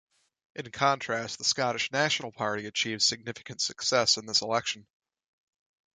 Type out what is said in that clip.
In contrast the Scottish National Party achieved significant success in this election.